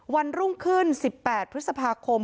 วันรุ่งขึ้น๑๘พฤษภาคม